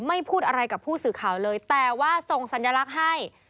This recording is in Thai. พูดอะไรกับผู้สื่อข่าวเลยแต่ว่าส่งสัญลักษณ์ให้